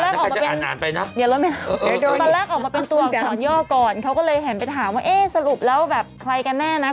ตอนแรกออกมาเป็นตัวอักษรย่อก่อนเขาก็เลยหันไปถามว่าเอ๊ะสรุปแล้วแบบใครกันแน่นะ